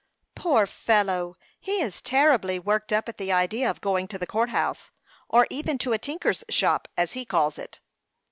"Poor fellow! He is terribly worked up at the idea of going to the court house, or even to a tinker's shop, as he calls it."